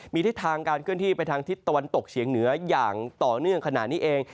มีทิศทางการเคลื่อนที่ไปทางทิศตะวันตกเฉียงเหนืออย่างต่อเนื่องขณะนี้เอง